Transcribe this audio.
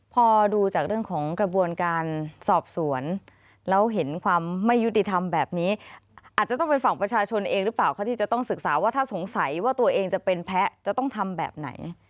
พอดูจากเรื่องของกระบวนการสอบสวนแล้วเห็นความไม่ยุติธรรมแบบนี้อาจจะต้องเป็นฝั่งประชาชนเองหรือเปล่าคะที่จะต้องศึกษาว่าถ้าสงสัยว่าตัวเองจะเป็นแพ้จะต้องทำแบบไหน